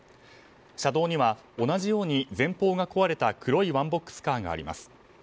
車道には同じように前方が壊れた黒いワンボックスカーがあります。